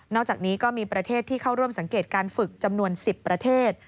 อกจากนี้ก็มีประเทศที่เข้าร่วมสังเกตการฝึกจำนวน๑๐ประเทศ